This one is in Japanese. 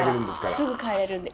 すぐ帰れるんで。